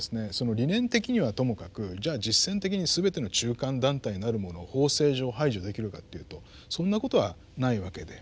理念的にはともかくじゃ実践的にすべての中間団体なるものを法制上排除できるかっていうとそんなことはないわけで。